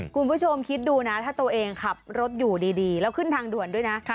คุณผู้ชมคิดดูนะถ้าตัวเองขับรถอยู่ดีแล้วขึ้นทางด่วนด้วยนะ